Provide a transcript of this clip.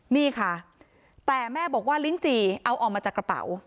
นี่ค่ะแต่แม่บอกว่าลิ้นจี่เอาออกมาจากกระเป๋า